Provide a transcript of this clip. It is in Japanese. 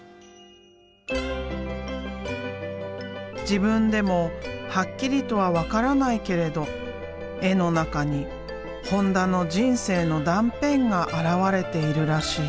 自分でもはっきりとは分からないけれど絵の中に本田の人生の断片が現れているらしい。